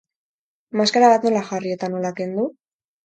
Maskara bat nola jarri eta nola kendu?